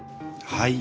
はい。